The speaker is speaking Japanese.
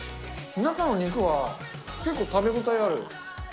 中の肉は結構食べ応えある。